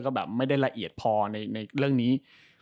ก็แบบไม่ได้ละเอียดพอในเรื่องนี้